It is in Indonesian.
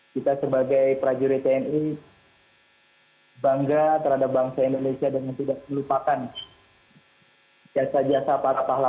kita sebagai prajurit tni bangga terhadap bangsa indonesia dengan tidak melupakan jasa jasa para pahlawan